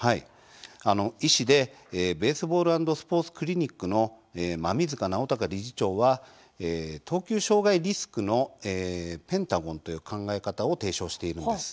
医師で、ベースボール＆スポーツクリニックの馬見塚尚孝理事長は「投球障害リスクのペンタゴン」という考え方を提唱しているんです。